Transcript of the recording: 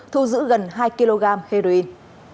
thu giữ gần hai kg heroin